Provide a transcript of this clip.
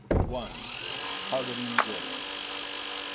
M. Pardoning grace.